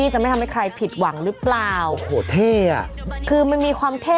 จะไม่ทำให้ใครผิดหวังหรือเปล่าโอ้โหเท่อ่ะคือมันมีความเท่